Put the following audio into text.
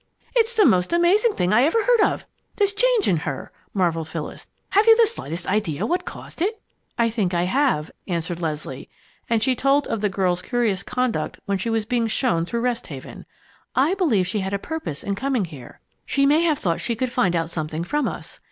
"It's the most amazing thing I ever heard of this change in her!" marveled Phyllis. "Have you the slightest idea what has caused it?" "I think I have," answered Leslie, and she told of the girl's curious conduct when she was being shown through Rest Haven. "I believe she had a purpose in coming here she may have thought she could find out something from us.